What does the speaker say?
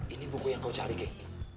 ini buku yang kau cari